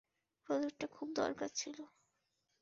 প্রোজেক্টটা খুব দরকার ছিল।